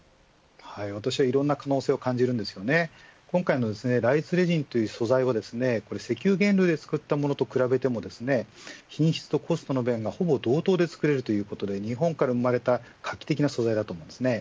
私はいろんな可能性を感じるんですけど今回のライスレジンという素材を石油原料で使ったものと比べてみても品質とコストの面でほぼ同等で作れるということで日本から生まれた画期的な素材だと思います。